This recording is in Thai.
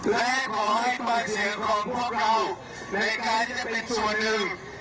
และขอให้ภักดิ์เสียงของพวกเราในการจะเป็นส่วนหนึ่ง